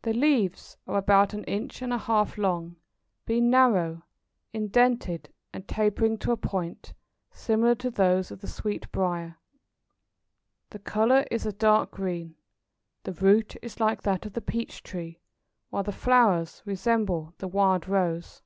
The leaves are about an inch and a half long, being narrow, indented, and tapering to a point, similar to those of the sweetbriar. The colour is a dark green. The root is like that of the peach tree, while the flowers resemble the wild rose.